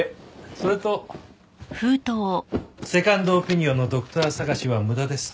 それとセカンドオピニオンのドクター探しは無駄です。